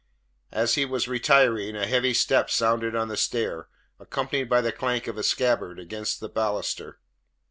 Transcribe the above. As he was retiring, a heavy step sounded on the stair, accompanied by the clank of a scabbard against the baluster.